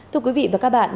thưa quý vị và các bạn